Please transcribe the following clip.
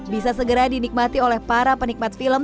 bisa segera dinikmati oleh para penikmat film